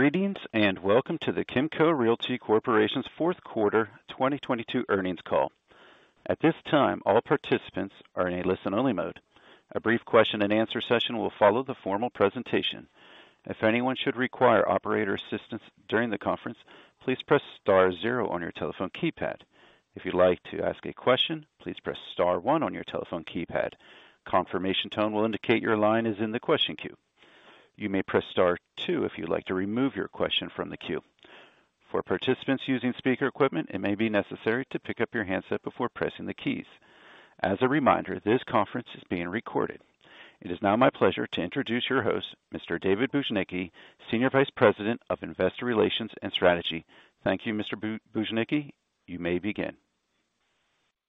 Greetings, welcome to the Kimco Realty Corporation's fourth quarter 2022 earnings call. At this time, all participants are in a listen-only mode. A brief question and answer session will follow the formal presentation. If anyone should require operator assistance during the conference, please press star zero on your telephone keypad. If you'd like to ask a question, please press star one on your telephone keypad. Confirmation tone will indicate your line is in the question queue. You may press star two if you'd like to remove your question from the queue. For participants using speaker equipment, it may be necessary to pick up your handset before pressing the keys. As a reminder, this conference is being recorded. It is now my pleasure to introduce your host, Mr. David Bujnicki, Senior Vice President of Investor Relations and Strategy. Thank you, Mr. Bujnicki. You may begin.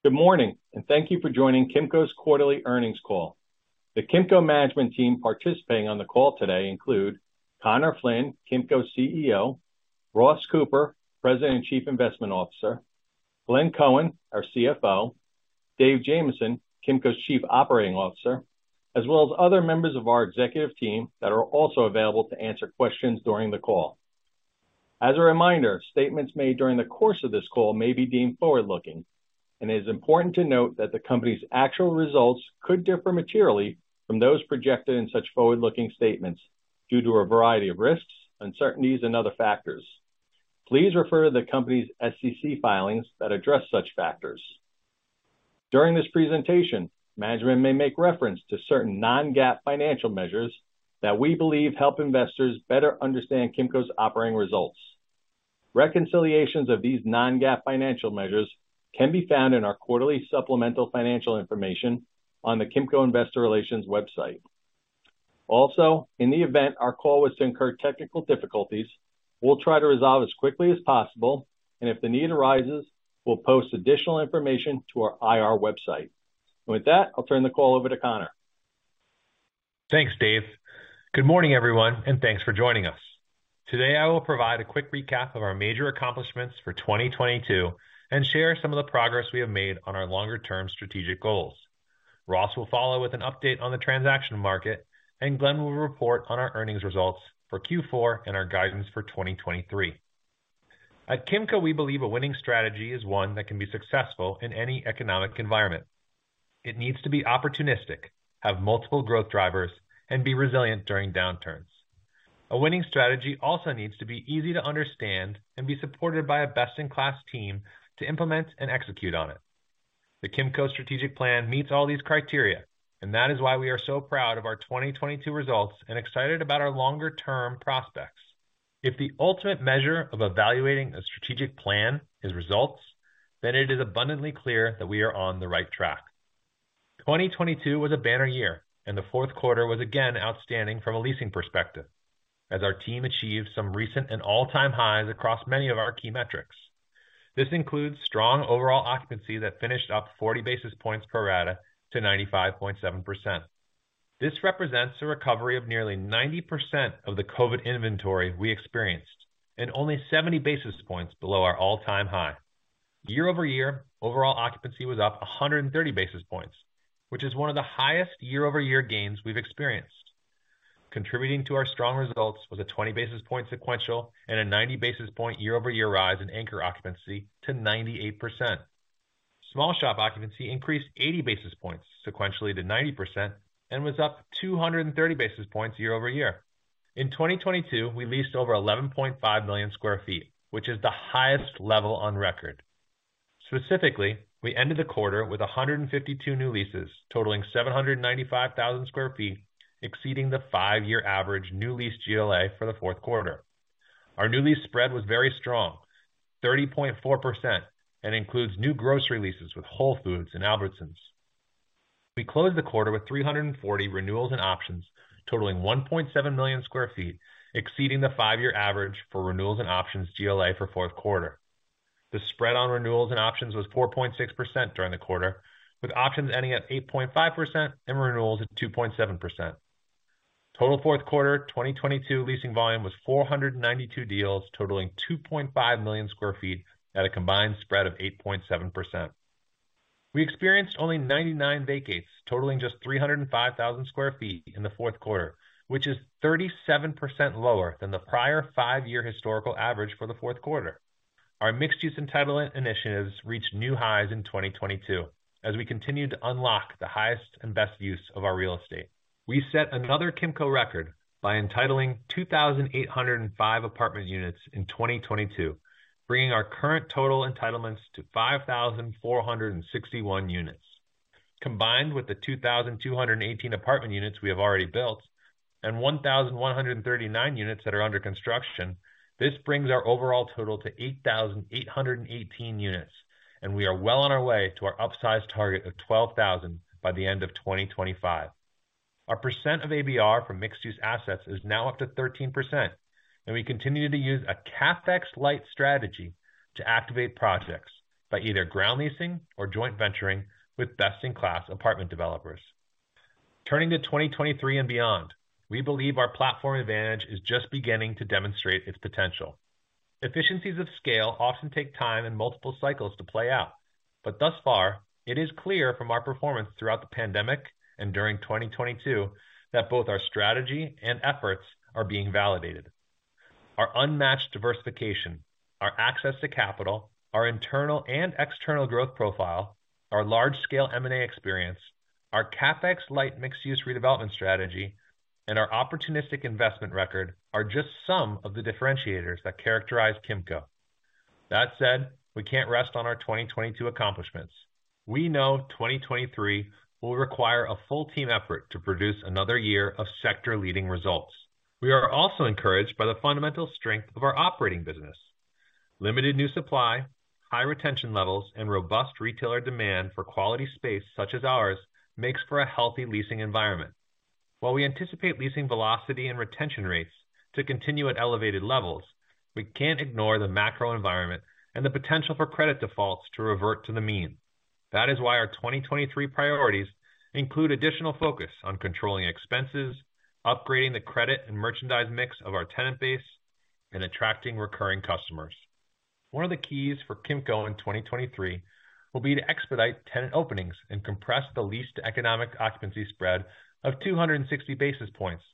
Good morning. Thank you for joining Kimco's quarterly earnings call. The Kimco management team participating on the call today include Conor Flynn, Kimco's CEO, Ross Cooper, President and Chief Investment Officer, Glenn Cohen, our CFO, David Jamieson, Kimco's Chief Operating Officer, as well as other members of our executive team that are also available to answer questions during the call. As a reminder, statements made during the course of this call may be deemed forward-looking. It is important to note that the company's actual results could differ materially from those projected in such forward-looking statements due to a variety of risks, uncertainties, and other factors. Please refer to the company's SEC filings that address such factors. During this presentation, management may make reference to certain non-GAAP financial measures that we believe help investors better understand Kimco's operating results. Reconciliations of these non-GAAP financial measures can be found in our quarterly supplemental financial information on the Kimco Investor Relations website. In the event our call was to incur technical difficulties, we'll try to resolve as quickly as possible, and if the need arises, we'll post additional information to our IR website. With that, I'll turn the call over to Conor. Thanks, Dave. Good morning, everyone, thanks for joining us. Today, I will provide a quick recap of our major accomplishments for 2022 and share some of the progress we have made on our longer term strategic goals. Ross will follow with an update on the transaction market, Glenn will report on our earnings results for Q4 and our guidance for 2023. At Kimco, we believe a winning strategy is one that can be successful in any economic environment. It needs to be opportunistic, have multiple growth drivers, and be resilient during downturns. A winning strategy also needs to be easy to understand and be supported by a best-in-class team to implement and execute on it. The Kimco strategic plan meets all these criteria, that is why we are so proud of our 2022 results and excited about our longer term prospects. If the ultimate measure of evaluating a strategic plan is results, it is abundantly clear that we are on the right track. 2022 was a banner year, the fourth quarter was again outstanding from a leasing perspective as our team achieved some recent and all-time highs across many of our key metrics. This includes strong overall occupancy that finished up 40 basis points pro rata to 95.7%. This represents a recovery of nearly 90% of the COVID inventory we experienced and only 70 basis points below our all-time high. Year-over-year, overall occupancy was up 130 basis points, which is one of the highest year-over-year gains we've experienced. Contributing to our strong results was a 20 basis point sequential and a 90 basis point year-over-year rise in anchor occupancy to 98%. Small shop occupancy increased 80 basis points sequentially to 90% and was up 230 basis points year-over-year. In 2022, we leased over 11.5 million sq ft, which is the highest level on record. Specifically, we ended the quarter with 152 new leases totaling 795,000 sq ft, exceeding the five-year average new lease GLA for the fourth quarter. Our new lease spread was very strong, 30.4%, and includes new grocery leases with Whole Foods and Albertsons. We closed the quarter with 340 renewals and options totaling 1.7 million sq ft, exceeding the five-year average for renewals and options GLA for fourth quarter. The spread on renewals and options was 4.6% during the quarter, with options ending at 8.5% and renewals at 2.7%. Total fourth quarter 2022 leasing volume was 492 deals totaling 2.5 million sq ft at a combined spread of 8.7%. We experienced only 99 vacates, totaling just 305,000 sq ft in the fourth quarter, which is 37% lower than the prior five-year historical average for the fourth quarter. Our mixed use entitlement initiatives reached new highs in 2022 as we continued to unlock the highest and best use of our real estate. We set another Kimco record by entitling 2,805 apartment units in 2022, bringing our current total entitlements to 5,461 units. Combined with the 2,218 apartment units we have already built and 1,139 units that are under construction, this brings our overall total to 8,818 units, and we are well on our way to our upsized target of 12,000 by the end of 2025. Our % of ABR from mixed use assets is now up to 13%, and we continue to use a CapEx light strategy to activate projects by either ground leasing or joint venturing with best in class apartment developers. Turning to 2023 and beyond, we believe our platform advantage is just beginning to demonstrate its potential. Thus far it is clear from our performance throughout the pandemic and during 2022 that both our strategy and efforts are being validated. Our unmatched diversification, our access to capital, our internal and external growth profile, our large-scale M&A experience, our CapEx light mixed-use redevelopment strategy, and our opportunistic investment record are just some of the differentiators that characterize Kimco. That said, we can't rest on our 2022 accomplishments. We know 2023 will require a full team effort to produce another year of sector-leading results. We are also encouraged by the fundamental strength of our operating business. Limited new supply, high retention levels, and robust retailer demand for quality space such as ours makes for a healthy leasing environment. While we anticipate leasing velocity and retention rates to continue at elevated levels, we can't ignore the macro environment and the potential for credit defaults to revert to the mean. That is why our 2023 priorities include additional focus on controlling expenses, upgrading the credit and merchandise mix of our tenant base, and attracting recurring customers. One of the keys for Kimco in 2023 will be to expedite tenant openings and compress the leased economic occupancy spread of 260 basis points.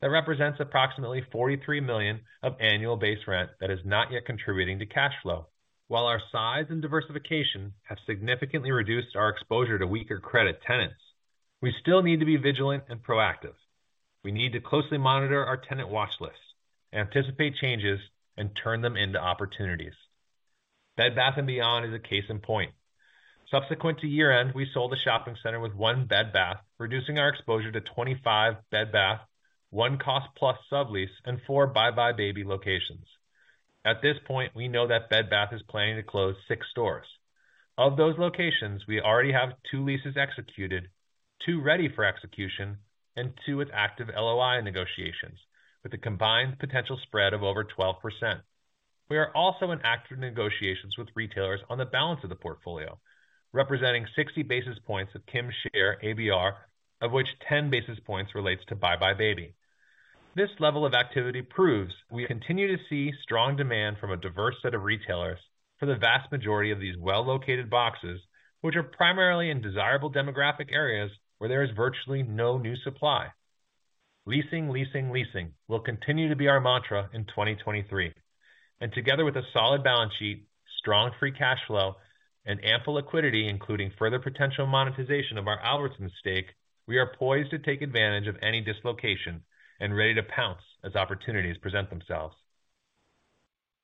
That represents approximately $43 million of annual base rent that is not yet contributing to cash flow. While our size and diversification have significantly reduced our exposure to weaker credit tenants, we still need to be vigilant and proactive. We need to closely monitor our tenant watch lists, anticipate changes and turn them into opportunities. Bed Bath & Beyond is a case in point. Subsequent to year-end, we sold a shopping center with one Bed Bath, reducing our exposure to 25 Bed Bath, one Cost Plus sublease, and 4 buybuy BABY locations. At this point, we know that Bed Bath is planning to close 6 stores. Of those locations, we already have 2 leases executed, 2 ready for execution, and 2 with active LOI negotiations with a combined potential spread of over 12%. We are also in active negotiations with retailers on the balance of the portfolio, representing 60 basis points of Kim share ABR, of which 10 basis points relates to buybuy BABY. This level of activity proves we continue to see strong demand from a diverse set of retailers for the vast majority of these well-located boxes, which are primarily in desirable demographic areas where there is virtually no new supply. Leasing, leasing will continue to be our mantra in 2023. Together with a solid balance sheet, strong free cash flow, and ample liquidity, including further potential monetization of our Albertsons stake, we are poised to take advantage of any dislocation and ready to pounce as opportunities present themselves.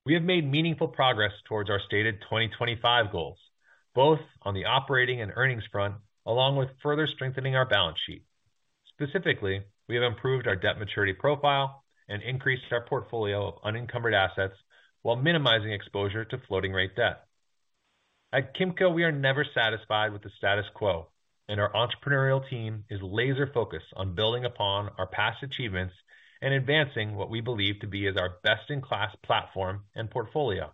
We have made meaningful progress towards our stated 2025 goals, both on the operating and earnings front, along with further strengthening our balance sheet. Specifically, we have improved our debt maturity profile and increased our portfolio of unencumbered assets while minimizing exposure to floating rate debt. At Kimco, we are never satisfied with the status quo, and our entrepreneurial team is laser focused on building upon our past achievements and advancing what we believe to be as our best-in-class platform and portfolio.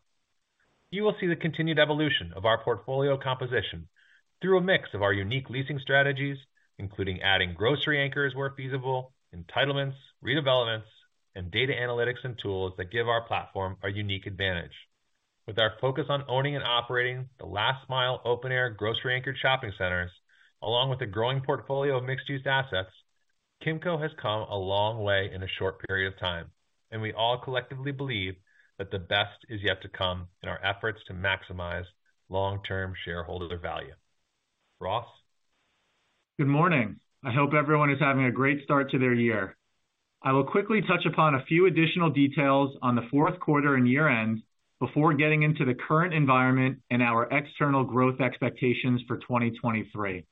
You will see the continued evolution of our portfolio composition through a mix of our unique leasing strategies, including adding grocery anchors where feasible, entitlements, redevelopments, and data analytics and tools that give our platform a unique advantage. With our focus on owning and operating the last mile open air grocery anchored shopping centers, along with a growing portfolio of mixed-use assets, Kimco has come a long way in a short period of time, and we all collectively believe that the best is yet to come in our efforts to maximize long-term shareholder value. Ross. Good morning. I hope everyone is having a great start to their year. I will quickly touch upon a few additional details on the fourth quarter and year-end before getting into the current environment and our external growth expectations for 2023.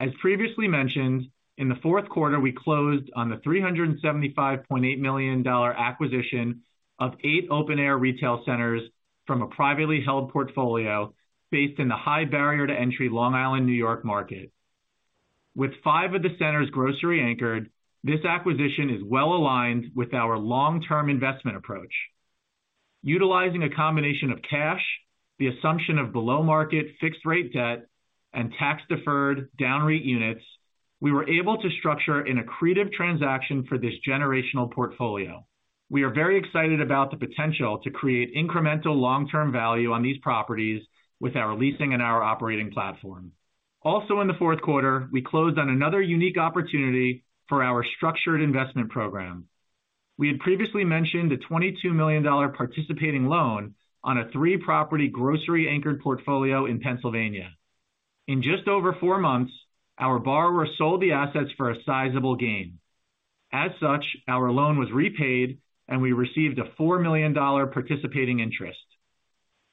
As previously mentioned, in the fourth quarter we closed on the $375.8 million acquisition of eight open-air retail centers from a privately held portfolio based in the high barrier to entry Long Island, New York market. With five of the centers grocery anchored, this acquisition is well aligned with our long-term investment approach. Utilizing a combination of cash, the assumption of below market fixed rate debt, and tax-deferred DownREIT units, we were able to structure an accretive transaction for this generational portfolio. We are very excited about the potential to create incremental long-term value on these properties with our leasing and our operating platform. In the fourth quarter, we closed on another unique opportunity for our structured investment program. We had previously mentioned a $22 million participating loan on a three-property grocery anchored portfolio in Pennsylvania. In just over 4 months, our borrower sold the assets for a sizable gain. Our loan was repaid and we received a $4 million participating interest.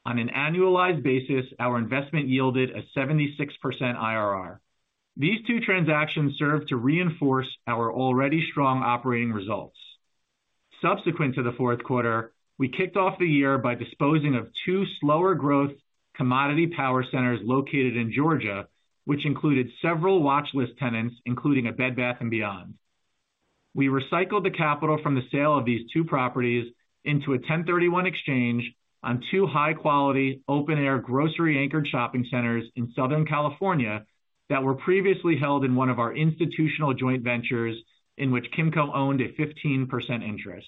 On an annualized basis, our investment yielded a 76% IRR. These 2 transactions serve to reinforce our already strong operating results. Subsequent to the fourth quarter, we kicked off the year by disposing of 2 slower growth commodity power centers located in Georgia, which included several watch list tenants, including a Bed Bath & Beyond. We recycled the capital from the sale of these 2 properties into a 1031 exchange on 2 high quality open air grocery anchored shopping centers in Southern California that were previously held in one of our institutional joint ventures in which Kimco owned a 15% interest.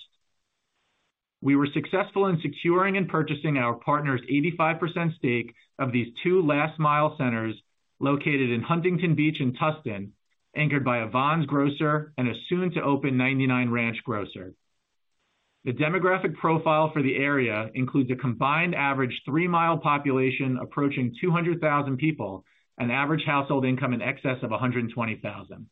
We were successful in securing and purchasing our partner's 85% stake of these 2 last-mile centers located in Huntington Beach and Tustin, anchored by a Vons grocer and a soon-to-open 99 Ranch grocer. The demographic profile for the area includes a combined average 3-mile population approaching 200,000 people and average household income in excess of $120,000.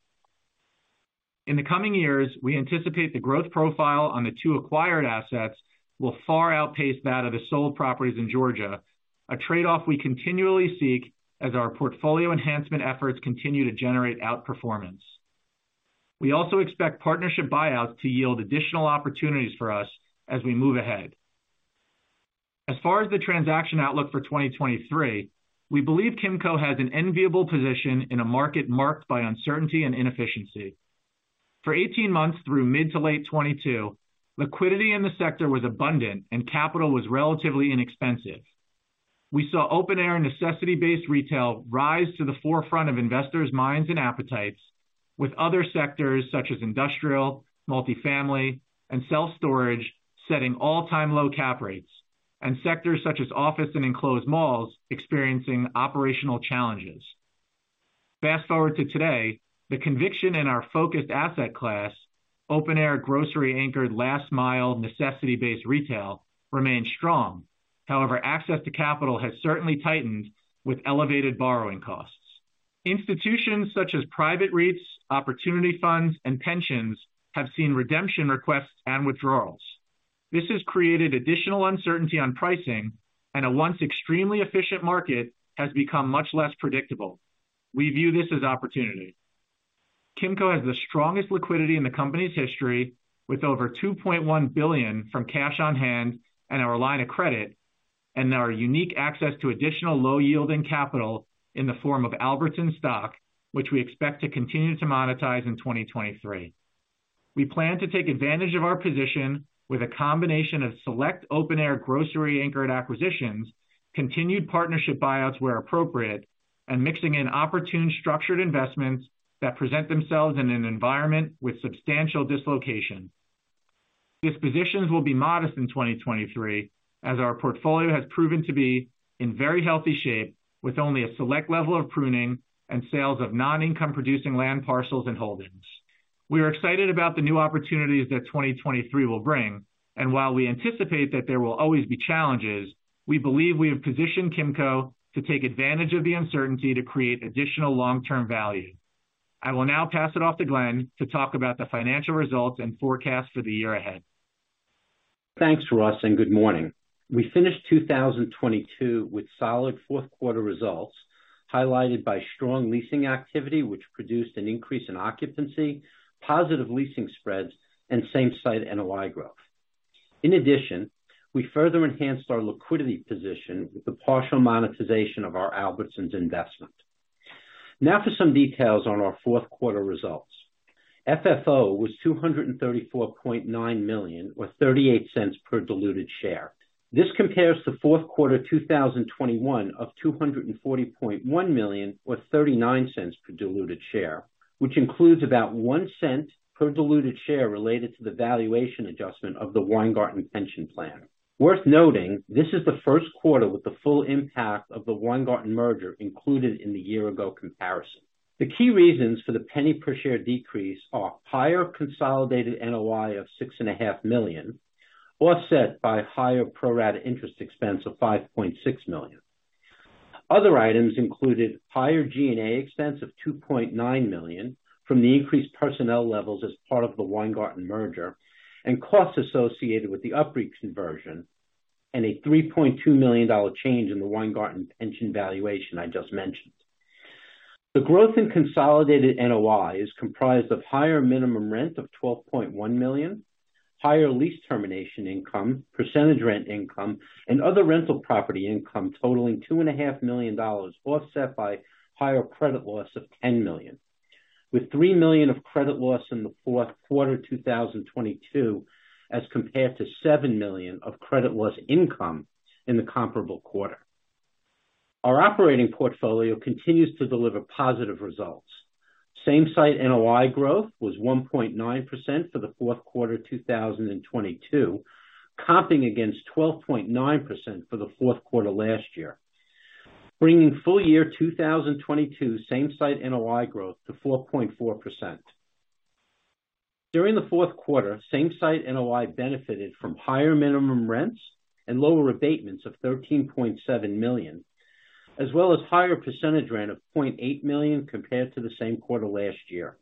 In the coming years, we anticipate the growth profile on the 2 acquired assets will far outpace that of the sold properties in Georgia. A trade-off we continually seek as our portfolio enhancement efforts continue to generate outperformance. We also expect partnership buyouts to yield additional opportunities for us as we move ahead. As far as the transaction outlook for 2023, we believe Kimco has an enviable position in a market marked by uncertainty and inefficiency. For 18 months through mid to late 2022, liquidity in the sector was abundant and capital was relatively inexpensive. We saw open air and necessity-based retail rise to the forefront of investors minds and appetites, with other sectors such as industrial, multifamily and self-storage, setting all-time low cap rates. Sectors such as office and enclosed malls experiencing operational challenges. Fast forward to today, the conviction in our focused asset class, open air, grocery anchored, last mile, necessity-based retail remains strong. However, access to capital has certainly tightened with elevated borrowing costs. Institutions such as private REITs, opportunity funds, and pensions have seen redemption requests and withdrawals. This has created additional uncertainty on pricing, a once extremely efficient market has become much less predictable. We view this as opportunity. Kimco has the strongest liquidity in the company's history with over $2.1 billion from cash on hand and our line of credit, and our unique access to additional low yielding capital in the form of Albertsons stock, which we expect to continue to monetize in 2023. We plan to take advantage of our position with a combination of select open air grocery anchored acquisitions, continued partnership buyouts where appropriate, and mixing in opportune structured investments that present themselves in an environment with substantial dislocation. Dispositions will be modest in 2023 as our portfolio has proven to be in very healthy shape with only a select level of pruning and sales of non-income producing land parcels and holdings. We are excited about the new opportunities that 2023 will bring, and while we anticipate that there will always be challenges, we believe we have positioned Kimco to take advantage of the uncertainty to create additional long-term value. I will now pass it off to Glenn to talk about the financial results and forecast for the year ahead. Thanks, Ross. Good morning. We finished 2022 with solid fourth quarter results, highlighted by strong leasing activity, which produced an increase in occupancy, positive leasing spreads and same-site NOI growth. In addition, we further enhanced our liquidity position with the partial monetization of our Albertsons investment. For some details on our fourth quarter results. FFO was $234.9 million or $0.38 per diluted share. This compares to fourth quarter 2021 of $240.1 million or $0.39 per diluted share, which includes about $0.01 per diluted share related to the valuation adjustment of the Weingarten pension plan. Worth noting, this is the first quarter with the full impact of the Weingarten merger included in the year-ago comparison. The key reasons for the penny per share decrease are higher consolidated NOI of six and a half million, offset by higher pro rata interest expense of $5.6 million. Other items included higher G&A expense of $2.9 million from the increased personnel levels as part of the Weingarten merger and costs associated with the UPREIT conversion, and a $3.2 million change in the Weingarten pension valuation I just mentioned. The growth in consolidated NOI is comprised of higher minimum rent of $12.1 million, higher lease termination income, percentage rent income, and other rental property income totaling two and a half million dollars, offset by higher credit loss of $10 million. Three million of credit loss in the fourth quarter 2022, as compared to $7 million of credit loss income in the comparable quarter. Our operating portfolio continues to deliver positive results. Same-site NOI growth was 1.9% for the fourth quarter 2022, comping against 12.9% for the fourth quarter last year, bringing full year 2022 same-site NOI growth to 4.4%. During the fourth quarter, same-site NOI benefited from higher minimum rents and lower abatements of $13.7 million, as well as higher percentage rent of $0.8 million compared to the same quarter last year.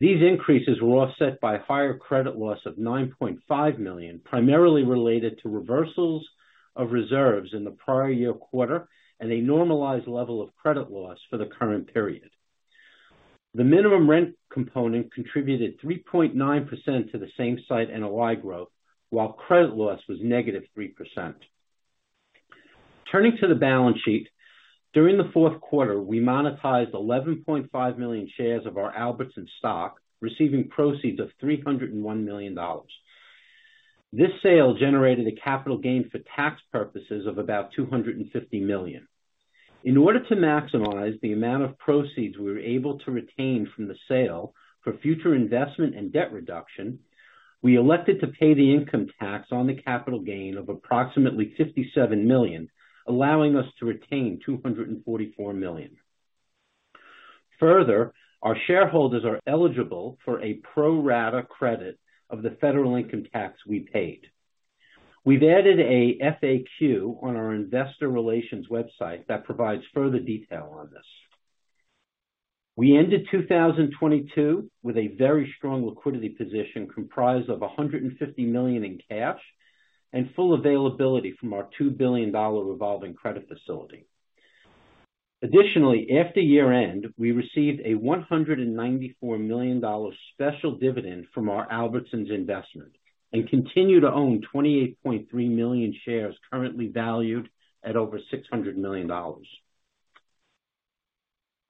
These increases were offset by a higher credit loss of $9.5 million, primarily related to reversals of reserves in the prior year quarter and a normalized level of credit loss for the current period. The minimum rent component contributed 3.9% to the same-site NOI growth, while credit loss was -3%. Turning to the balance sheet. During the fourth quarter, we monetized 11.5 million shares of our Albertsons stock, receiving proceeds of $301 million. This sale generated a capital gain for tax purposes of about $250 million. In order to maximize the amount of proceeds we were able to retain from the sale for future investment and debt reduction, we elected to pay the income tax on the capital gain of approximately $57 million, allowing us to retain $244 million. Further, our shareholders are eligible for a pro rata credit of the federal income tax we paid. We've added a FAQ on our investor relations website that provides further detail on this. We ended 2022 with a very strong liquidity position comprised of $150 million in cash and full availability from our $2 billion revolving credit facility. Additionally, after year-end, we received a $194 million special dividend from our Albertsons investment and continue to own 28.3 million shares, currently valued at over $600 million.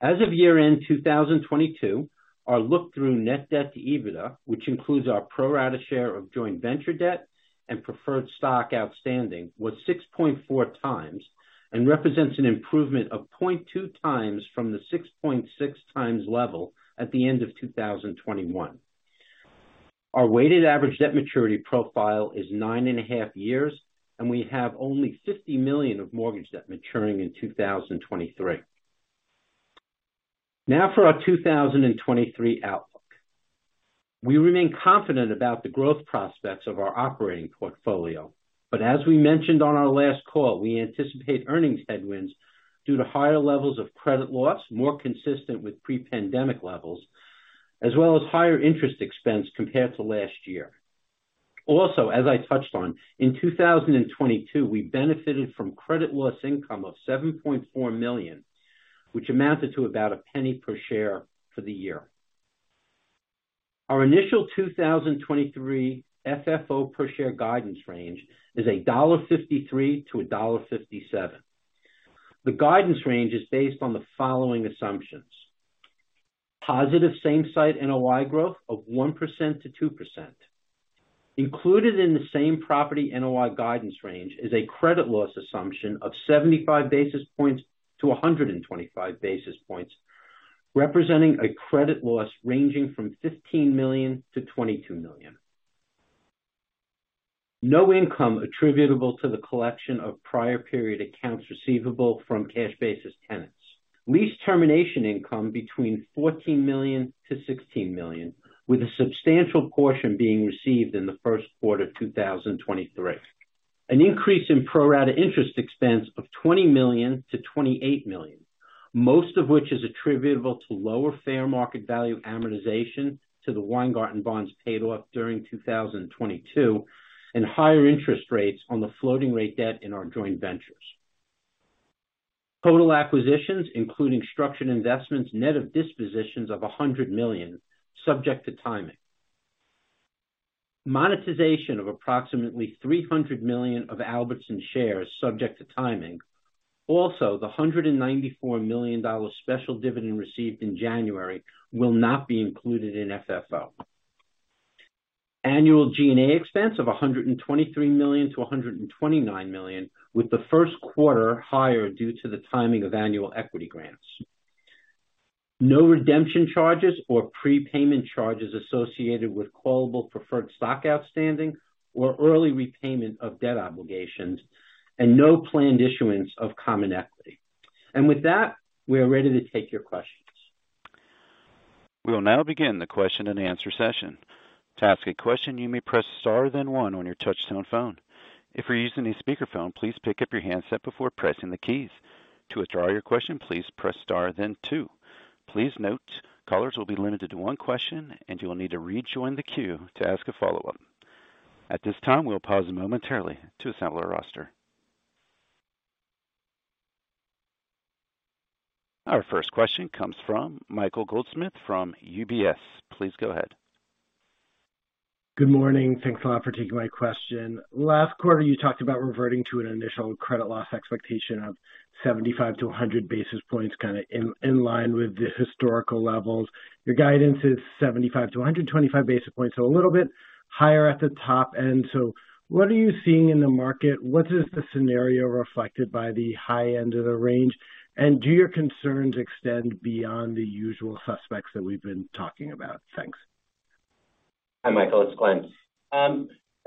As of year-end 2022, our look-through net debt to EBITDA, which includes our pro rata share of joint venture debt and preferred stock outstanding, was 6.4 times and represents an improvement of 0.2 times from the 6.6 times level at the end of 2021. Our weighted average debt maturity profile is 9.5 years, and we have only $50 million of mortgage debt maturing in 2023. Now for our 2023 outlook. We remain confident about the growth prospects of our operating portfolio. As we mentioned on our last call, we anticipate earnings headwinds due to higher levels of credit loss, more consistent with pre-pandemic levels, as well as higher interest expense compared to last year. Also, as I touched on, in 2022, we benefited from credit loss income of $7.4 million, which amounted to about $0.01 per share for the year. Our initial 2023 FFO per share guidance range is $1.53-$1.57. The guidance range is based on the following assumptions. Positive same-site NOI growth of 1%-2%. Included in the same property NOI guidance range is a credit loss assumption of 75 basis points to 125 basis points, representing a credit loss ranging from $15 million-$22 million. No income attributable to the collection of prior period accounts receivable from cash basis tenants. Lease termination income between $14 million-$16 million, with a substantial portion being received in the first quarter 2023. An increase in pro rata interest expense of $20 million-$28 million, most of which is attributable to lower fair market value amortization to the Weingarten bonds paid off during 2022, and higher interest rates on the floating rate debt in our joint ventures. Total acquisitions, including structured investments, net of dispositions of $100 million, subject to timing. Monetization of approximately $300 million of Albertsons shares, subject to timing. Also, the $194 million special dividend received in January will not be included in FFO. Annual G&A expense of $123 million-$129 million, with the first quarter higher due to the timing of annual equity grants. No redemption charges or prepayment charges associated with callable preferred stock outstanding or early repayment of debt obligations and no planned issuance of common equity. With that, we are ready to take your questions. We will now begin the question and answer session. To ask a question, you may press Star then 1 on your touchtone phone. If you're using a speakerphone, please pick up your handset before pressing the keys. To withdraw your question, please press Star then 2. Please note, callers will be limited to 1 question and you will need to rejoin the queue to ask a follow-up. At this time, we'll pause momentarily to assemble our roster. Our first question comes from Michael Goldsmith from UBS. Please go ahead. Good morning. Thanks a lot for taking my question. Last quarter you talked about reverting to an initial credit loss expectation of 75 to 100 basis points, kind of in line with the historical levels. Your guidance is 75 to 125 basis points, a little bit higher at the top end. What are you seeing in the market? What is the scenario reflected by the high end of the range? Do your concerns extend beyond the usual suspects that we've been talking about? Thanks. Hi, Michael, it's Glenn.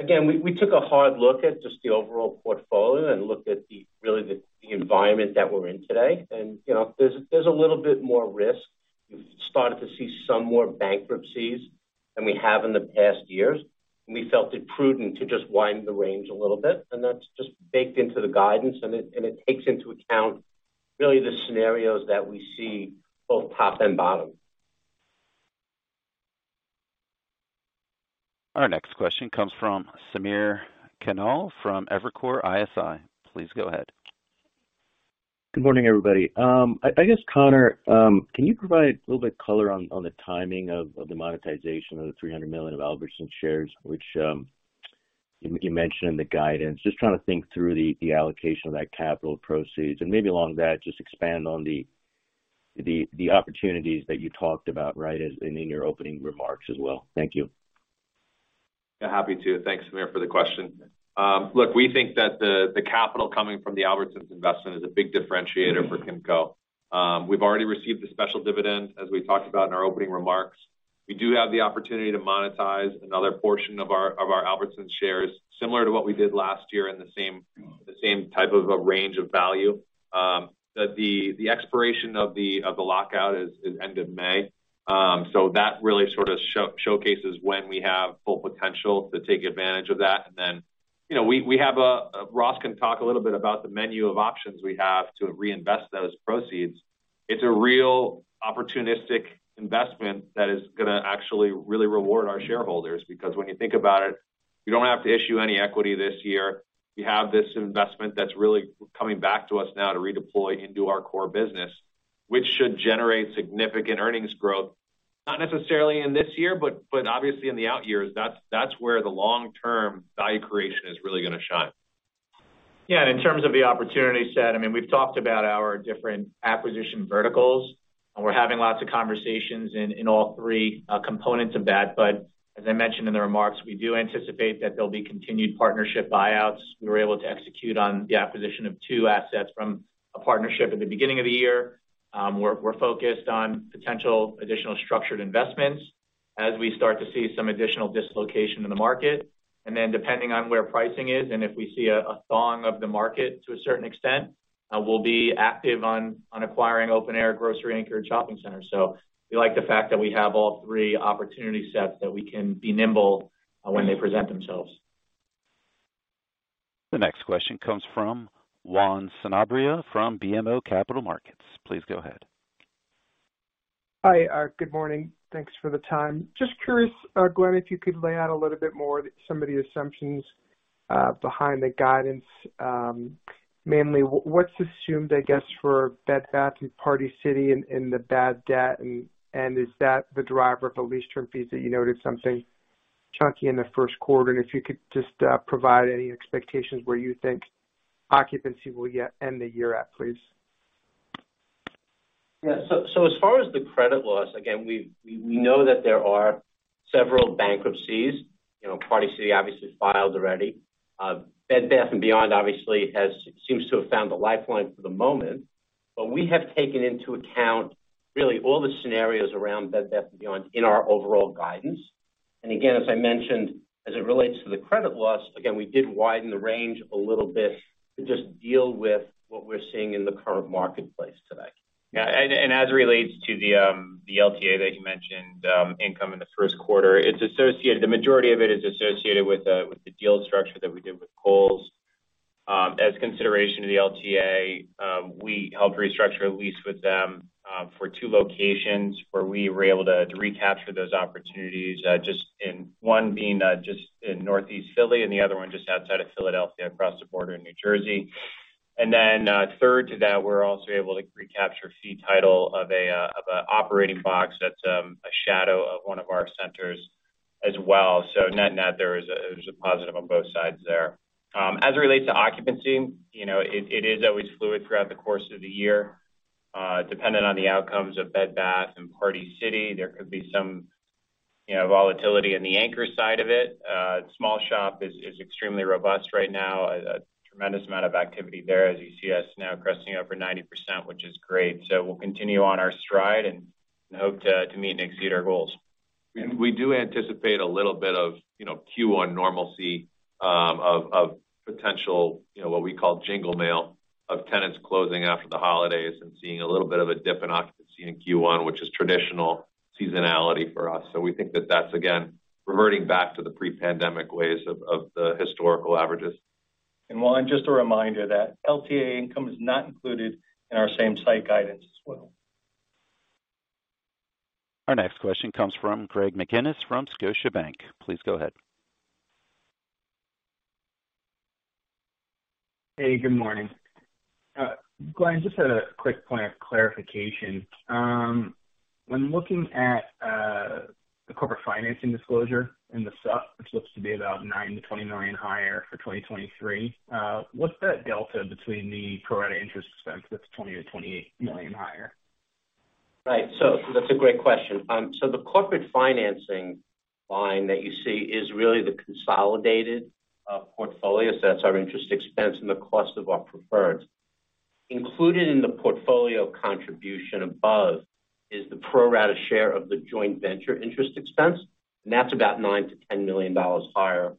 Again, we took a hard look at just the overall portfolio and looked at really the environment that we're in today. you know, there's a little bit more risk. We've started to see some more bankruptcies than we have in the past years, and we felt it prudent to just widen the range a little bit, and that's just baked into the guidance. it takes into account really the scenarios that we see both top and bottom. Our next question comes from Samir Khanal from Evercore ISI. Please go ahead. Good morning, everybody. I guess, Conor, can you provide a little bit color on the timing of the monetization of the $300 million of Albertsons shares, which you mentioned in the guidance? Just trying to think through the allocation of that capital proceeds, and maybe along that, just expand on the. The opportunities that you talked about, right, as in your opening remarks as well. Thank you. Yeah, happy to. Thanks, Samir, for the question. Look, we think that the capital coming from the Albertsons investment is a big differentiator for Kimco. We've already received the special dividend, as we talked about in our opening remarks. We do have the opportunity to monetize another portion of our Albertsons shares, similar to what we did last year in the same type of a range of value. The expiration of the lockout is end of May. So that really sort of showcases when we have full potential to take advantage of that. Then, you know, we have Ross can talk a little bit about the menu of options we have to reinvest those proceeds. It's a real opportunistic investment that is gonna actually really reward our shareholders. When you think about it, we don't have to issue any equity this year. We have this investment that's really coming back to us now to redeploy into our core business, which should generate significant earnings growth, not necessarily in this year, but obviously in the out years. That's where the long-term value creation is really gonna shine. Yeah, in terms of the opportunity set, I mean, we've talked about our different acquisition verticals, and we're having lots of conversations in all three components of that. As I mentioned in the remarks, we do anticipate that there'll be continued partnership buyouts. We were able to execute on the acquisition of two assets from a partnership at the beginning of the year. We're focused on potential additional structured investments as we start to see some additional dislocation in the market. Depending on where pricing is, and if we see a thawing of the market to a certain extent, we'll be active on acquiring open air grocery anchored shopping centers. We like the fact that we have all three opportunity sets that we can be nimble when they present themselves. The next question comes from Juan Sanabria from BMO Capital Markets. Please go ahead. Hi, good morning. Thanks for the time. Just curious, Glenn, if you could lay out a little bit more some of the assumptions behind the guidance, mainly what's assumed, I guess, for Bed Bath and Party City in the bad debt, and is that the driver of the lease term fees that you noted something chunky in the first quarter? If you could just provide any expectations where you think occupancy will end the year at, please. As far as the credit loss, again, we know that there are several bankruptcies. You know, Party City obviously has filed already. Bed Bath & Beyond obviously seems to have found a lifeline for the moment. We have taken into account really all the scenarios around Bed Bath & Beyond in our overall guidance. Again, as I mentioned, as it relates to the credit loss, again, we did widen the range a little bit to just deal with what we're seeing in the current marketplace today. Yeah. As it relates to the LTA that you mentioned, income in the first quarter, the majority of it is associated with the deal structure that we did with Kohl's. As consideration to the LTA, we helped restructure a lease with them for two locations where we were able to recapture those opportunities, just in one being just in Northeast Philly and the other one just outside of Philadelphia, across the border in New Jersey. Third to that, we're also able to recapture fee title of a operating box that's a shadow of one of our centers as well. Net-net, it was a positive on both sides there. As it relates to occupancy, you know, it is always fluid throughout the course of the year, dependent on the outcomes of Bed Bath and Party City. There could be some, you know, volatility in the anchor side of it. Small shop is extremely robust right now. A tremendous amount of activity there as you see us now cresting over 90%, which is great. We'll continue on our stride and hope to meet and exceed our goals. We do anticipate a little bit of, you know, Q1 normalcy, of potential, you know, what we call jingle mail of tenants closing after the holidays and seeing a little bit of a dip in occupancy in Q1, which is traditional seasonality for us. We think that that's, again, reverting back to the pre-pandemic ways of the historical averages. Juan, just a reminder that LTA income is not included in our same-site guidance as well. Our next question comes from Greg McGinniss from Scotiabank. Please go ahead. Hey, good morning. Glenn, just a quick point of clarification. When looking at the corporate financing disclosure in the sup, which looks to be about $9 million-$20 million higher for 2023, what's that delta between the pro rata interest expense that's $20 million-$28 million higher? Right. That's a great question. The corporate financing line that you see is really the consolidated portfolio. That's our interest expense and the cost of our preferred. Included in the portfolio contribution above is the pro rata share of the joint venture interest expense, that's about $9 million-$10 million higher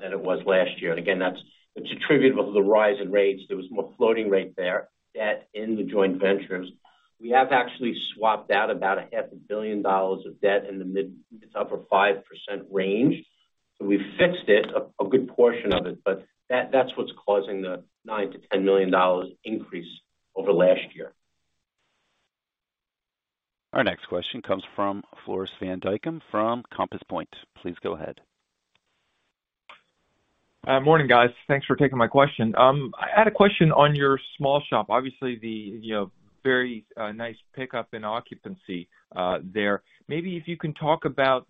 than it was last year. Again, it's attributable to the rise in rates. There was more floating rate debt in the joint ventures. We have actually swapped out about $0.5 billion of debt in the mid to upper 5% range. We fixed it, a good portion of it, but that's what's causing the $9 million-$10 million increase over last year. Our next question comes from Floris van Dijkum from Compass Point. Please go ahead. Morning, guys. Thanks for taking my question. I had a question on your small shop. Obviously, the, you know, very nice pickup in occupancy there. Maybe if you can talk about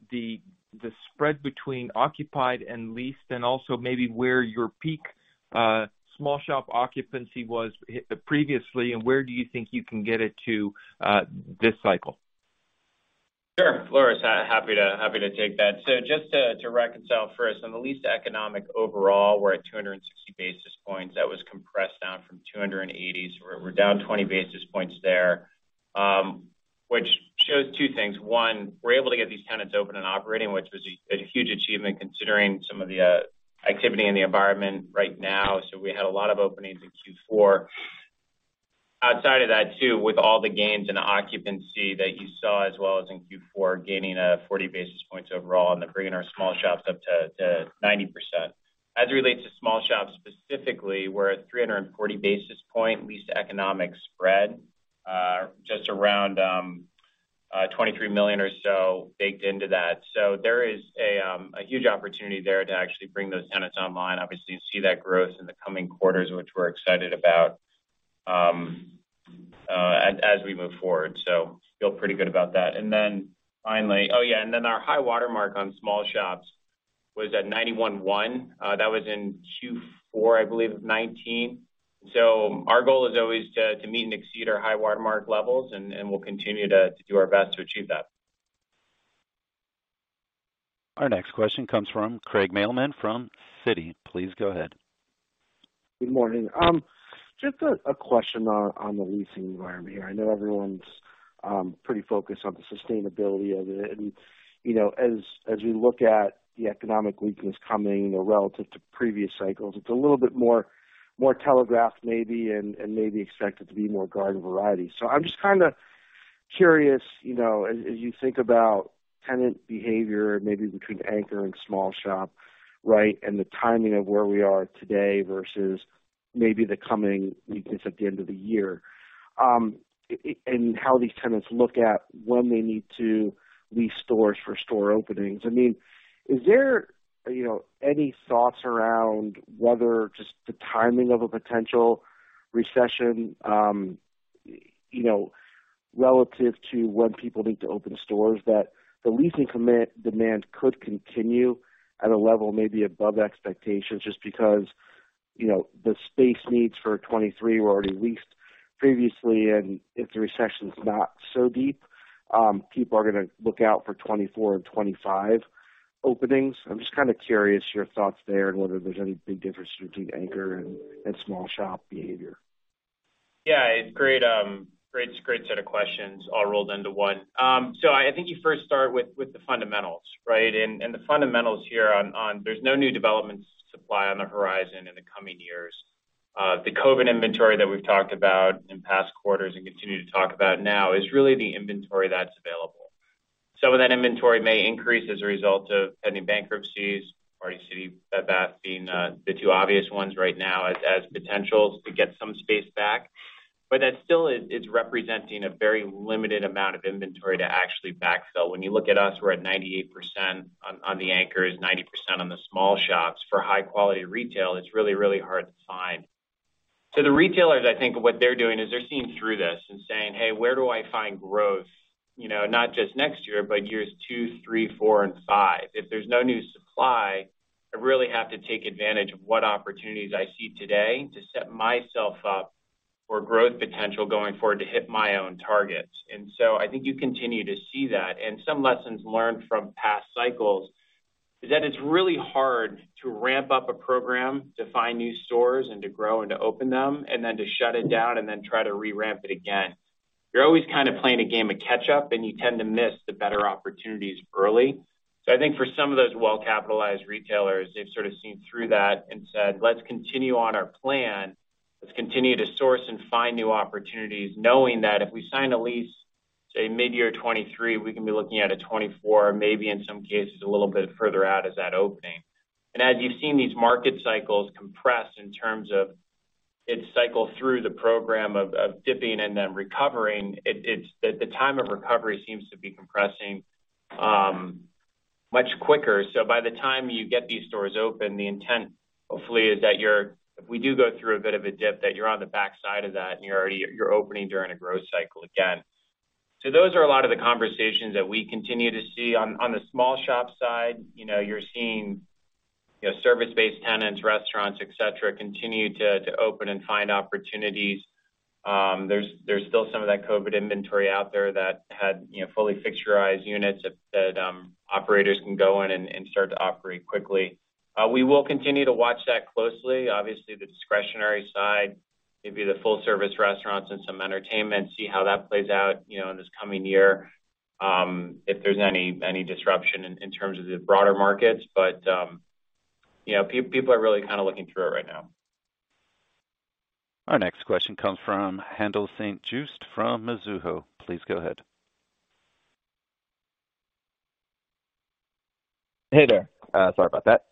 the spread between occupied and leased, and also maybe where your peak small shop occupancy was previously, and where do you think you can get it to this cycle? Sure. Flores. Happy to take that. Just to reconcile first on the lease to economic overall, we're at 260 basis points. That was compressed down from 280. We're down 20 basis points there, which shows two things. One, we're able to get these tenants open and operating, which was a huge achievement considering some of the activity in the environment right now. We had a lot of openings in Q4. Outside of that too, with all the gains in occupancy that you saw, as well as in Q4 gaining 40 basis points overall and then bringing our small shops up to 90%. As it relates to small shops specifically, we're at 340 basis point lease to economics spread, just around $23 million or so baked into that. There is a huge opportunity there to actually bring those tenants online. Obviously, you see that growth in the coming quarters, which we're excited about, as we move forward. Feel pretty good about that. Oh, yeah, our high watermark on small shops was at 91.1%. That was in Q4, I believe, of 2019. Our goal is always to meet and exceed our high watermark levels, and we'll continue to do our best to achieve that. Our next question comes from Craig Mailman from Citi. Please go ahead. Good morning. Just a question on the leasing environment here. I know everyone's pretty focused on the sustainability of it. You know, as we look at the economic weakness coming, you know, relative to previous cycles, it's a little bit more telegraphed maybe and maybe expected to be more garden variety. I'm just kind of curious, you know, as you think about tenant behavior, maybe between anchor and small shop, right, and the timing of where we are today versus maybe the coming weakness at the end of the year, and how these tenants look at when they need to lease stores for store openings. I mean, is there, you know, any thoughts around whether just the timing of a potential recession, you know, relative to when people need to open stores, that the leasing demand could continue at a level maybe above expectations just because, you know, the space needs for 2023 were already leased previously, and if the recession's not so deep, people are gonna look out for 2024 and 2025 openings. I'm just kind of curious your thoughts there and whether there's any big difference between anchor and small shop behavior. Yeah. Great set of questions all rolled into one. I think you first start with the fundamentals, right? The fundamentals here on there's no new development supply on the horizon in the coming years. The COVID inventory that we've talked about in past quarters and continue to talk about now is really the inventory that's available. Some of that inventory may increase as a result of pending bankruptcies. Party City, Bed Bath being the two obvious ones right now as potentials to get some space back. That still is, it's representing a very limited amount of inventory to actually backfill. When you look at us, we're at 98% on the anchors, 90% on the small shops. For high quality retail, it's really hard to find. The retailers, I think what they're doing is they're seeing through this and saying, "Hey, where do I find growth, you know, not just next year, but years two, three, four and five? If there's no new supply, I really have to take advantage of what opportunities I see today to set myself up for growth potential going forward to hit my own targets." I think you continue to see that. Some lessons learned from past cycles is that it's really hard to ramp up a program to find new stores and to grow and to open them, and then to shut it down and then try to re-ramp it again. You're always kind of playing a game of catch up, and you tend to miss the better opportunities early. I think for some of those well-capitalized retailers, they've sort of seen through that and said, "Let's continue on our plan. Let's continue to source and find new opportunities, knowing that if we sign a lease, say, mid-year 2023, we can be looking at a 2024, maybe in some cases a little bit further out as that opening." As you've seen these market cycles compress in terms of its cycle through the program of dipping and then recovering, it's the time of recovery seems to be compressing much quicker. By the time you get these stores open, the intent hopefully is that you're if we do go through a bit of a dip, that you're on the backside of that and you're already opening during a growth cycle again. Those are a lot of the conversations that we continue to see. On the small shop side, you know, you're seeing, you know, service-based tenants, restaurants, et cetera, continue to open and find opportunities. There's still some of that COVID inventory out there that had, you know, fully fixturized units that operators can go in and start to operate quickly. We will continue to watch that closely. Obviously, the discretionary side, maybe the full service restaurants and some entertainment, see how that plays out, you know, in this coming year, if there's any disruption in terms of the broader markets. You know, people are really kind of looking through it right now. Our next question comes from Haendel St. Juste from Mizuho. Please go ahead. Hey there. Sorry about that.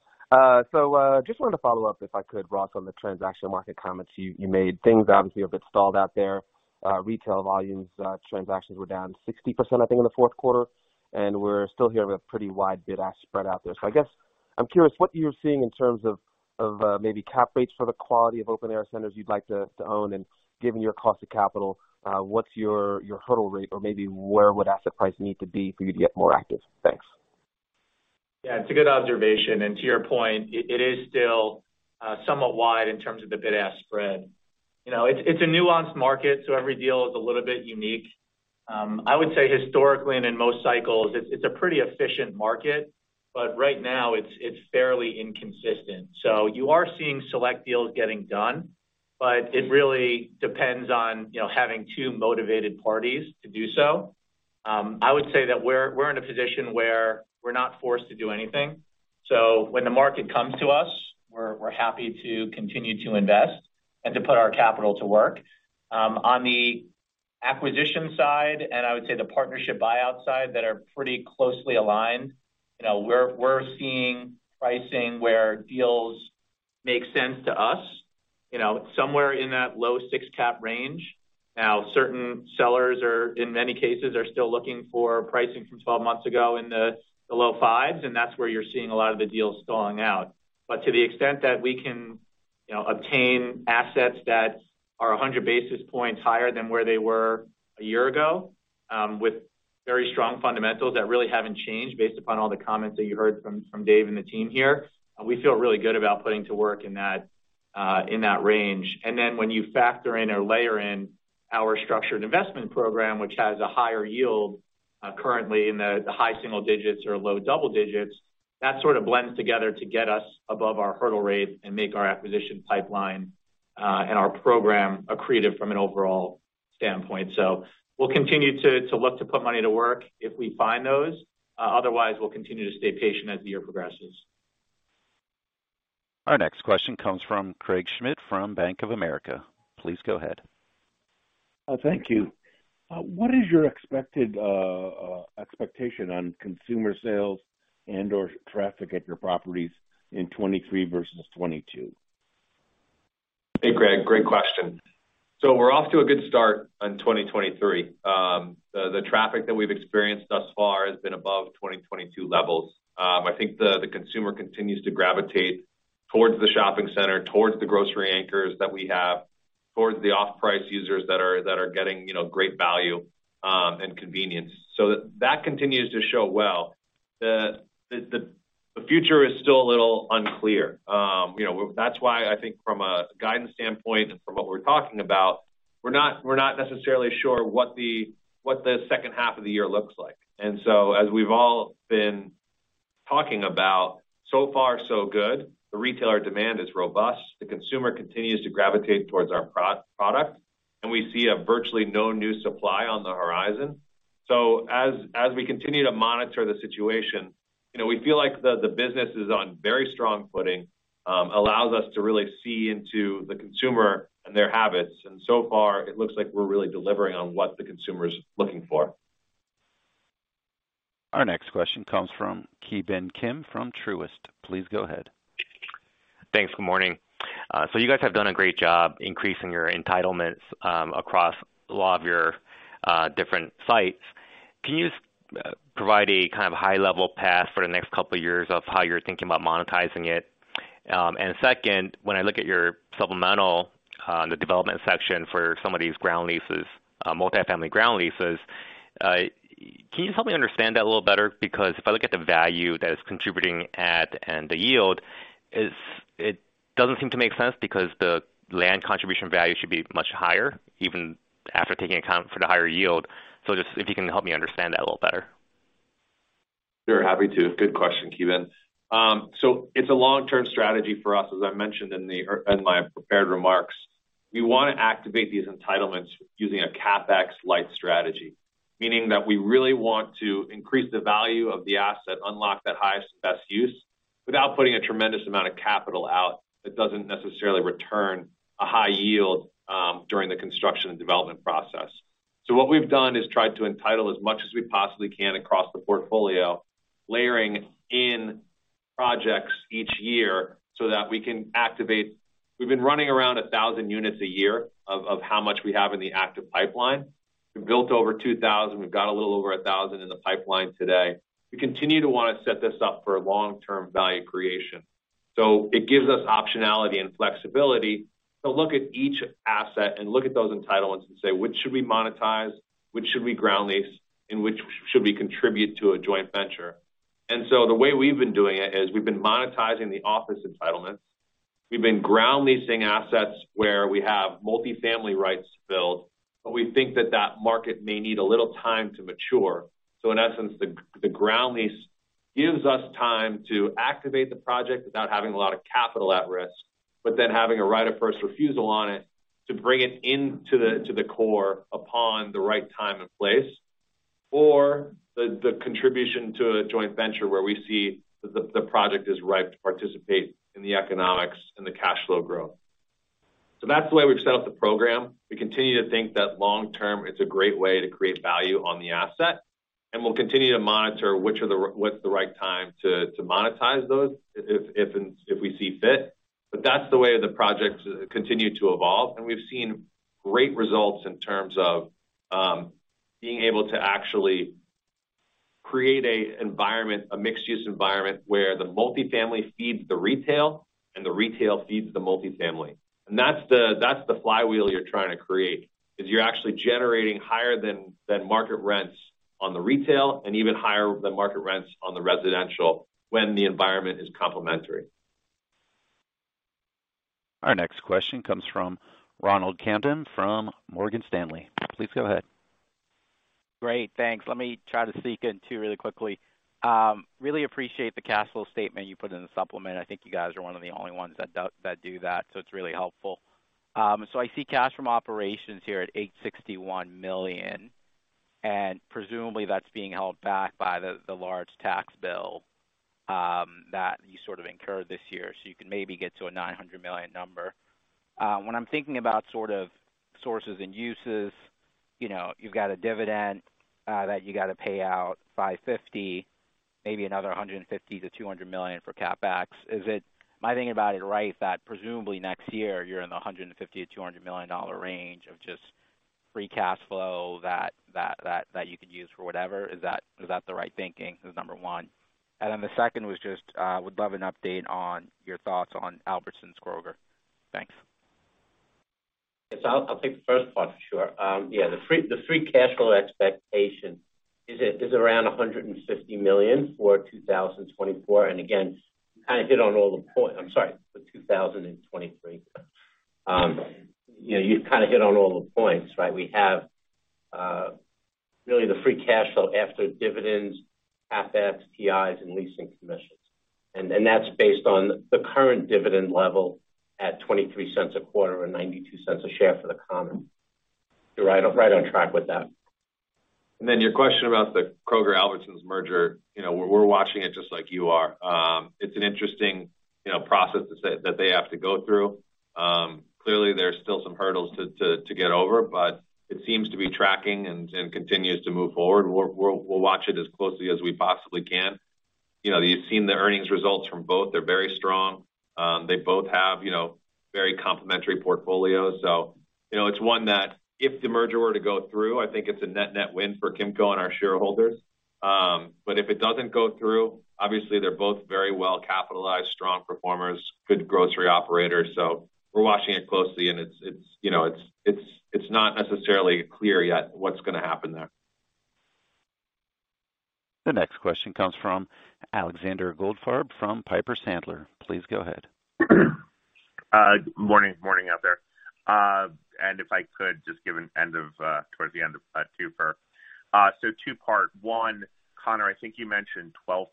Just wanted to follow up, if I could, Ross, on the transactional market comments you made. Things obviously have a bit stalled out there. Retail volumes, transactions were down 60%, I think, in the fourth quarter. We're still here with a pretty wide bid-ask spread out there. I guess I'm curious what you're seeing in terms of cap rates for the quality of open-air centers you'd like to own. Given your cost of capital, what's your hurdle rate? Maybe where would asset price need to be for you to get more active? Thanks. Yeah, it's a good observation. To your point, it is still somewhat wide in terms of the bid-ask spread. You know, it's a nuanced market, so every deal is a little bit unique. I would say historically, and in most cycles, it's a pretty efficient market, but right now it's fairly inconsistent. You are seeing select deals getting done, but it really depends on, you know, having two motivated parties to do so. I would say that we're in a position where we're not forced to do anything. When the market comes to us, we're happy to continue to invest and to put our capital to work. On the acquisition side, and I would say the partnership buy-out side that are pretty closely aligned. You know, we're seeing pricing where deals make sense to us, you know, somewhere in that low 6 cap range. Certain sellers are in many cases, are still looking for pricing from 12 months ago in the low 5s, and that's where you're seeing a lot of the deals stalling out. To the extent that we can, you know, obtain assets that are 100 basis points higher than where they were a year ago, with very strong fundamentals that really haven't changed based upon all the comments that you heard from Dave and the team here, we feel really good about putting to work in that in that range. When you factor in or layer in our structured investment program, which has a higher yield, currently in the high single-digits or low double-digits, that sort of blends together to get us above our hurdle rate and make our acquisition pipeline, and our program accretive from an overall standpoint. We'll continue to look to put money to work if we find those. Otherwise, we'll continue to stay patient as the year progresses. Our next question comes from Craig Schmidt from Bank of America. Please go ahead. Thank you. What is your expected expectation on consumer sales and/or traffic at your properties in 2023 versus 2022? Hey, Craig. Great question. We're off to a good start on 2023. The traffic that we've experienced thus far has been above 2022 levels. I think the consumer continues to gravitate towards the shopping center, towards the grocery anchors that we have, towards the off-price users that are getting, you know, great value and convenience. That continues to show well. The future is still a little unclear. You know, that's why I think from a guidance standpoint and from what we're talking about, we're not necessarily sure what the second half of the year looks like. As we've all been talking about, so far so good. The retailer demand is robust. The consumer continues to gravitate towards our pro-product, and we see a virtually no new supply on the horizon. As we continue to monitor the situation, you know, we feel like the business is on very strong footing, allows us to really see into the consumer and their habits. So far it looks like we're really delivering on what the consumer is looking for. Our next question comes from Ki Bin Kim from Truist. Please go ahead. Thanks. Good morning. You guys have done a great job increasing your entitlements, across a lot of your, different sites. Can you just provide a kind of high-level path for the next couple of years of how you're thinking about monetizing it? Second, when I look at your supplemental, on the development section for some of these ground leases, multifamily ground leases, can you just help me understand that a little better? Because if I look at the value that it's contributing at and the yield, it doesn't seem to make sense because the land contribution value should be much higher even after taking account for the higher yield. Just if you can help me understand that a little better. Sure. Happy to. Good question, Ki Bin. It's a long-term strategy for us, as I mentioned in my prepared remarks. We want to activate these entitlements using a CapEx-light strategy, meaning that we really want to increase the value of the asset, unlock that highest and best use without putting a tremendous amount of capital out that doesn't necessarily return a high yield during the construction and development process. What we've done is tried to entitle as much as we possibly can across the portfolio, layering in projects each year so that we can activate. We've been running around 1,000 units a year of how much we have in the active pipeline. We've built over 2,000. We've got a little over 1,000 in the pipeline today. We continue to want to set this up for long-term value creation. It gives us optionality and flexibility to look at each asset and look at those entitlements and say, "Which should we monetize? Which should we ground lease? And which should we contribute to a joint venture?" The way we've been doing it is we've been monetizing the office entitlements. We've been ground leasing assets where we have multifamily rights to build, but we think that that market may need a little time to mature. In essence, the ground lease gives us time to activate the project without having a lot of capital at risk, but then having a right of first refusal on it to bring it into the core upon the right time and place, or the contribution to a joint venture where we see the project is ripe to participate in the economics and the cash flow growth. That's the way we've set up the program. We continue to think that long term, it's a great way to create value on the asset, and we'll continue to monitor what's the right time to monetize those if we see fit. That's the way the projects continue to evolve. We've seen great results in terms of being able to actually create a environment, a mixed use environment where the multifamily feeds the retail and the retail feeds the multifamily. That's the flywheel you're trying to create, is you're actually generating higher than market rents on the retail and even higher than market rents on the residential when the environment is complementary. Our next question comes from Ronald Kamdem from Morgan Stanley. Please go ahead. Great, thanks. Let me try to sneak in two really quickly. Really appreciate the cash flow statement you put in the supplement. I think you guys are one of the only ones that do that, so it's really helpful. I see cash from operations here at $861 million, and presumably that's being held back by the large tax bill that you sort of incurred this year. You can maybe get to a $900 million number. When I'm thinking about sort of sources and uses, you know, you've got a dividend that you got to pay out $550, maybe another $150 million-$200 million for CapEx. Am I thinking about it right, that presumably next year you're in the $150 million-$200 million range of just free cash flow that you could use for whatever? Is that the right thinking? Is number one. The second was just, would love an update on your thoughts on Albertsons Kroger. Thanks. Yes, I'll take the first part for sure. Yeah, the free cash flow expectation is around $150 million for 2024. Again, you kind of hit on all the points. I'm sorry, for 2023. You know, you kind of hit on all the points, right? We have really the free cash flow after dividends, CapEx, TIs and leasing commissions. That's based on the current dividend level at $0.23 a quarter or $0.92 a share for the common. You're right on track with that. Then your question about the Kroger Albertsons merger. You know, we're watching it just like you are. It's an interesting, you know, process that they have to go through. Clearly there's still some hurdles to get over, but it seems to be tracking and continues to move forward. We'll watch it as closely as we possibly can. You know, you've seen the earnings results from both. They're very strong. They both have, you know, very complementary portfolios. You know, it's one that if the merger were to go through, I think it's a net-net win for Kimco and our shareholders. If it doesn't go through, obviously, they're both very well capitalized, strong performers, good grocery operators. we're watching it closely and it's, you know, it's not necessarily clear yet what's gonna happen there. The next question comes from Alexander Goldfarb from Piper Sandler. Please go ahead. Morning out there. If I could just give an end of towards the end of two-fer. Two-part. One, Conor, I think you mentioned 12%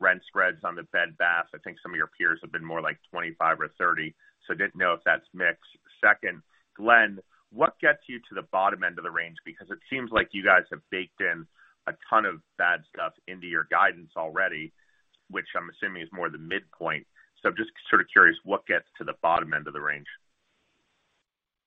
rent spreads on the Bed Bath. I think some of your peers have been more like 25 or 30, didn't know if that's mixed. Second, Glenn, what gets you to the bottom end of the range? It seems like you guys have baked in a ton of bad stuff into your guidance already, which I'm assuming is more the midpoint. Just sort of curious what gets to the bottom end of the range.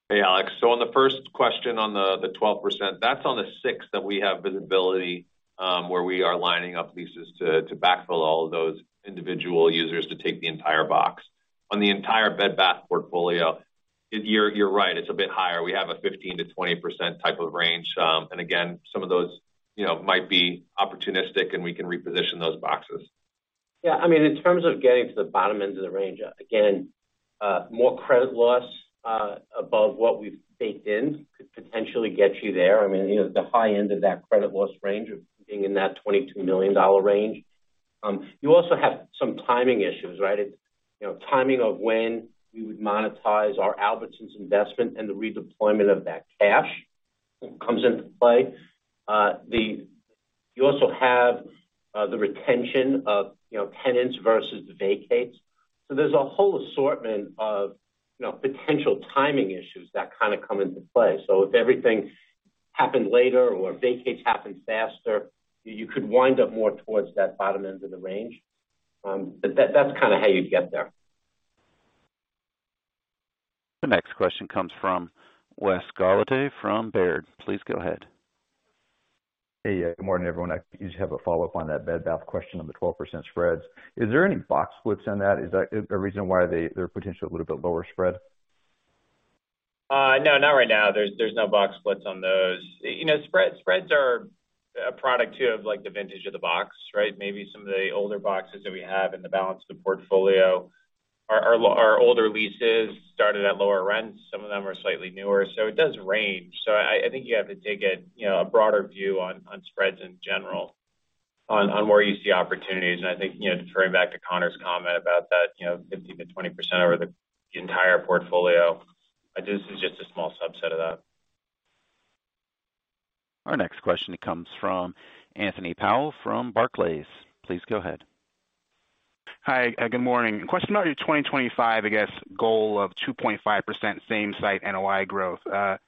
Hey, Alex. On the first question on the 12%, that's on the 6 that we have visibility, where we are lining up leases to backfill all of those individual users to take the entire box. On the entire Bed Bath portfolio, you're right, it's a bit higher. We have a 15%-20% type of range. Again, some of those, you know, might be opportunistic and we can reposition those boxes. Yeah, I mean, in terms of getting to the bottom end of the range, again, more credit loss above what we've baked in could potentially get you there. I mean, you know, the high end of that credit loss range of being in that $22 million range. You also have some timing issues, right? You know, timing of when we would monetize our Albertsons investment and the redeployment of that cash comes into play. You also have the retention of, you know, tenants versus vacates. There's a whole assortment of, you know, potential timing issues that kind of come into play. If everything happened later or vacates happen faster, you could wind up more towards that bottom end of the range. That, that's kind of how you'd get there. The next question comes from Wes Golladay from Baird. Please go ahead. Hey, good morning, everyone. I usually have a follow-up on that Bed Bath question on the 12% spreads. Is there any box splits on that? Is that a reason why they're potentially a little bit lower spread? No, not right now. There's no box splits on those. You know, spreads are a product too of like the vintage of the box, right. Maybe some of the older boxes that we have in the balance of the portfolio are older leases started at lower rents. Some of them are slightly newer, so it does range. I think you have to take it, you know, a broader view on spreads in general on where you see opportunities. I think, you know, deferring back to Conor's comment about that, you know, 15%-20% over the entire portfolio. This is just a small subset of that. Our next question comes from Anthony Powell from Barclays. Please go ahead. Hi, good morning. Question on your 2025, I guess, goal of 2.5% same-site NOI growth? You're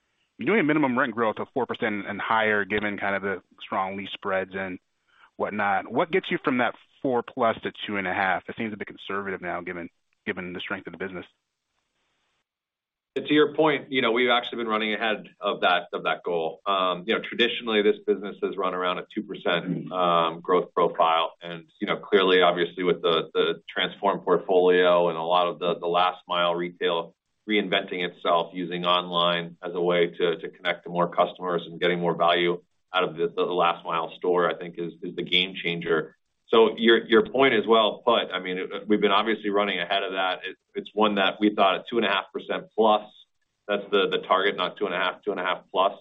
doing a minimum rent growth of 4% and higher given kind of the strong lease spreads and whatnot. What gets you from that 4+ to 2.5? It seems a bit conservative now, given the strength of the business. To your point, you know, we've actually been running ahead of that, of that goal. You know, traditionally this business has run around a 2% growth profile. You know, clearly, obviously with the transformed portfolio and a lot of the last mile retail reinventing itself using online as a way to connect to more customers and getting more value out of the last mile store, I think is the game changer. Your point is well put. I mean, we've been obviously running ahead of that. It's one that we thought a 2.5%+. That's the target, not 2.5, 2.5 plus.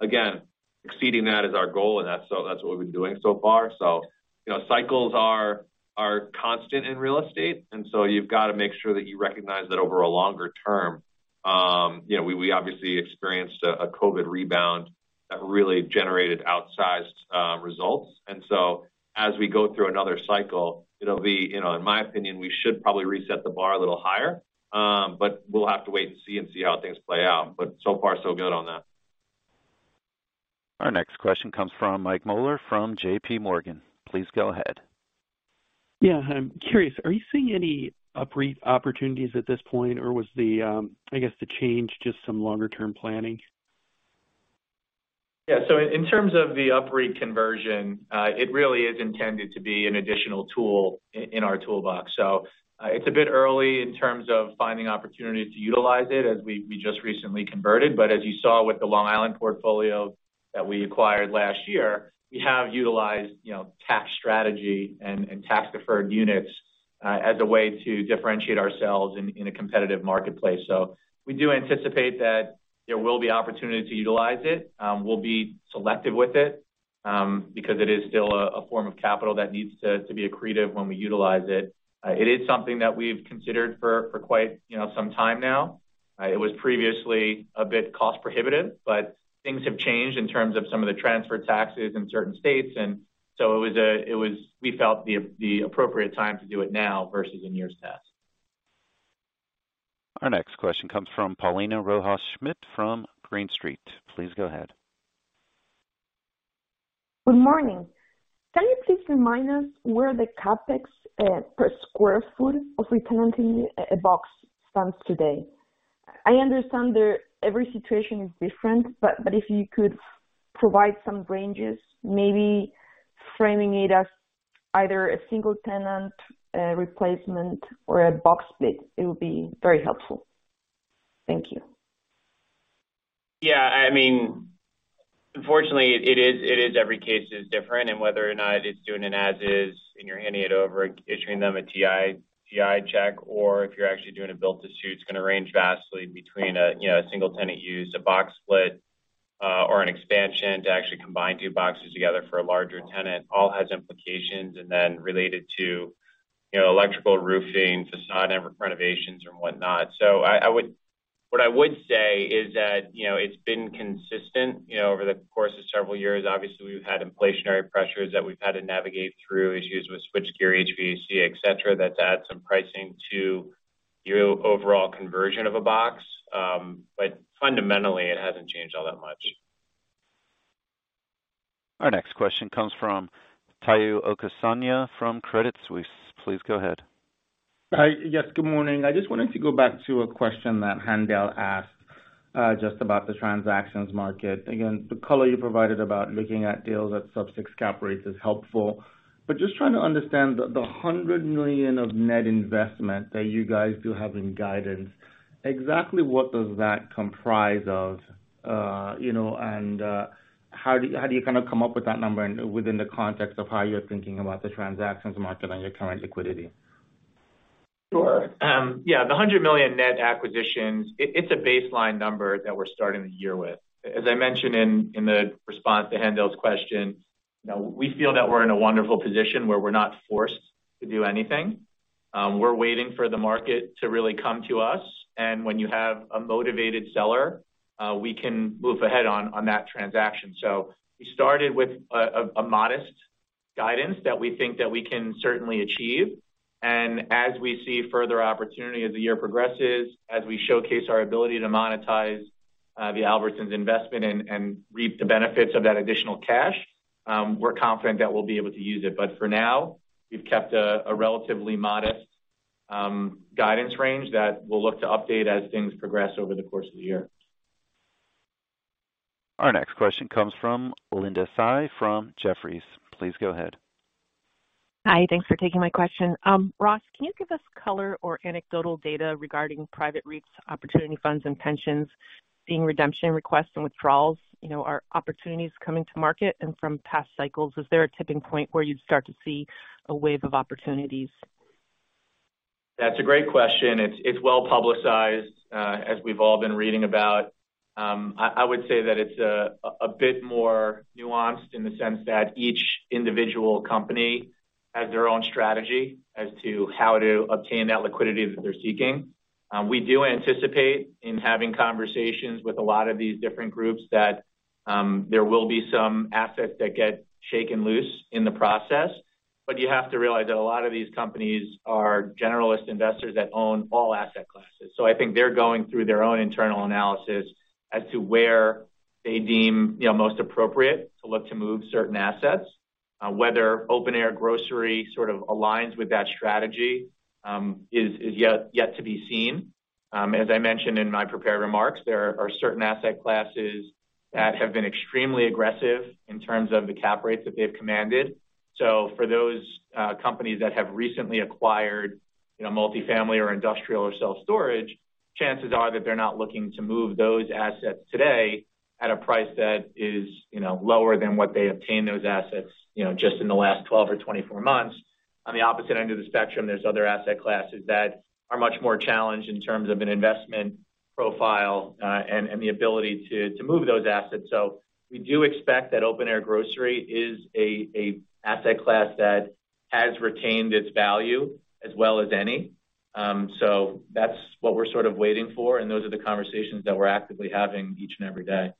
Again, exceeding that is our goal. That's what we've been doing so far. You know, cycles are constant in real estate, and so you've got to make sure that you recognize that over a longer term, you know, we obviously experienced a Covid rebound that really generated outsized results. As we go through another cycle, it'll be, you know, in my opinion, we should probably reset the bar a little higher. We'll have to wait and see how things play out. So far so good on that. Our next question comes from Michael Mueller from JPMorgan. Please go ahead. Yeah. I'm curious, are you seeing any UPREIT opportunities at this point, or was the, I guess, the change, just some longer term planning? In terms of the UPREIT conversion, it really is intended to be an additional tool in our toolbox. It's a bit early in terms of finding opportunities to utilize it as we just recently converted. As you saw with the Long Island portfolio that we acquired last year, we have utilized, you know, tax strategy and tax-deferred units as a way to differentiate ourselves in a competitive marketplace. We do anticipate that there will be opportunity to utilize it. We'll be selective with it because it is still a form of capital that needs to be accretive when we utilize it. It is something that we've considered for quite, you know, some time now. It was previously a bit cost prohibitive, but things have changed in terms of some of the transfer taxes in certain states. It was, we felt, the appropriate time to do it now versus in years past. Our next question comes from Paulina Rojas Schmidt from Green Street. Please go ahead. Good morning. Can you please remind us where the CapEx per square foot of retenanting a box stands today? I understand that every situation is different. If you could provide some ranges, maybe framing it as either a single tenant replacement or a box split, it would be very helpful. Thank you. Yeah. I mean, unfortunately, it is every case is different. Whether or not it's doing an as is and you're handing it over, issuing them a TI check, or if you're actually doing a build to suit, it's gonna range vastly between a, you know, a single tenant use, a box split, or an expansion to actually combine two boxes together for a larger tenant. All has implications. Related to, you know, electrical roofing, façade renovations and whatnot. I would say is that, you know, it's been consistent, you know, over the course of several years. Obviously, we've had inflationary pressures that we've had to navigate through, issues with switchgear, HVAC, et cetera, that's add some pricing to your overall conversion of a box. Fundamentally, it hasn't changed all that much. Our next question comes from Tayo Okusanya from Credit Suisse. Please go ahead. Hi. Yes, good morning. I just wanted to go back to a question that Haendel asked, just about the transactions market. Again, the color you provided about looking at deals at sub-6 cap rates is helpful. Just trying to understand the $100 million of net investment that you guys do have in guidance, exactly what does that comprise of? you know, how do you kind of come up with that number and within the context of how you're thinking about the transactions market and your current liquidity? Sure. Yeah, the $100 million net acquisitions, it's a baseline number that we're starting the year with. As I mentioned in the response to Haendel's question, you know, we feel that we're in a wonderful position where we're not forced to do anything. We're waiting for the market to really come to us. When you have a motivated seller, we can move ahead on that transaction. So we started with a modest guidance that we think that we can certainly achieve. As we see further opportunity as the year progresses, as we showcase our ability to monetize, the Albertsons investment and reap the benefits of that additional cash, we're confident that we'll be able to use it. For now, we've kept a relatively modest guidance range that we'll look to update as things progress over the course of the year. Our next question comes from Linda Tsai from Jefferies. Please go ahead. Hi. Thanks for taking my question. Ross, can you give us color or anecdotal data regarding private REITs opportunity funds and pensions seeing redemption requests and withdrawals? You know, are opportunities coming to market? From past cycles, is there a tipping point where you'd start to see a wave of opportunities? That's a great question. It's well publicized, as we've all been reading about. I would say that it's a bit more nuanced in the sense that each individual company has their own strategy as to how to obtain that liquidity that they're seeking. We do anticipate in having conversations with a lot of these different groups that there will be some assets that get shaken loose in the process. You have to realize that a lot of these companies are generalist investors that own all asset classes. I think they're going through their own internal analysis as to where they deem, you know, most appropriate to look to move certain assets. Whether open-air grocery sort of aligns with that strategy, is yet to be seen. As I mentioned in my prepared remarks, there are certain asset classes that have been extremely aggressive in terms of the cap rates that they've commanded. For those companies that have recently acquired, you know, multifamily or industrial or self-storage, chances are that they're not looking to move those assets today at a price that is, you know, lower than what they obtained those assets, you know, just in the last 12 or 24 months. On the opposite end of the spectrum, there's other asset classes that are much more challenged in terms of an investment profile and the ability to move those assets. We do expect that open-air grocery is a asset class that has retained its value as well as any. That's what we're sort of waiting for. Those are the conversations that we're actively having each and every day.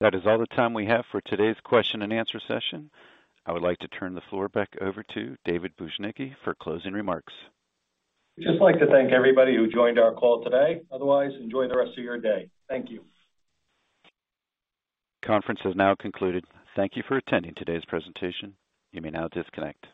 That is all the time we have for today's question and answer session. I would like to turn the floor back over to David Bujnicki for closing remarks. Just like to thank everybody who joined our call today. Otherwise, enjoy the rest of your day. Thank you. Conference has now concluded. Thank you for attending today's presentation. You may now disconnect.